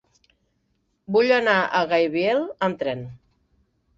Vull anar a Gaibiel amb tren.